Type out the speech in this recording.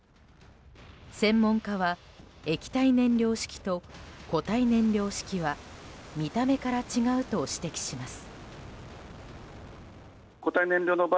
専門家は液体燃料式と固体燃料式は見た目から違うと指摘します。